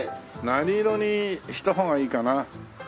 何色にした方がいいかな。